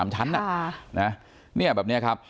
ใช่ไง